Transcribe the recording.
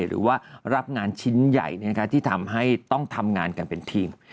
หรือว่ารับงานชิ้นใหญ่ที่ทำให้ต้องทำงานกันเป็นทีม